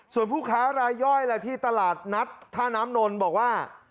ส่วนผู้ขายรายย่อยที่ตลาดนัดทานามนลบอกว่า